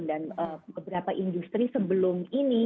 dan beberapa industri sebelum ini